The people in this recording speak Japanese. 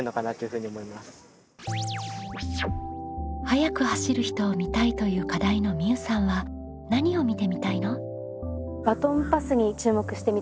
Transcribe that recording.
「速く走る人を見たい」という課題のみうさんは何を見てみたいの？